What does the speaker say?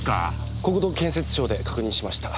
国土建設省で確認しました。